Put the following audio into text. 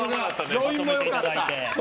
余韻もよかった。